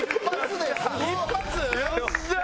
よっしゃー！